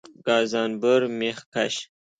گازانبر میخ کش